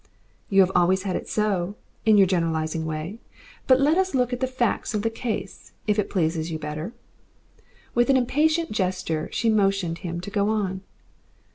"You have always had it so in your generalising way. But let us look at the facts of the case if that pleases you better." With an impatient gesture she motioned him to go on.